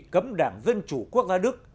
cấm đảng dân chủ quốc gia đức